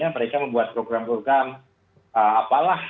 mereka membuat program program apalah